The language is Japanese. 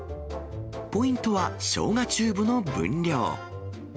ポイントは、しょうがチューブの分量。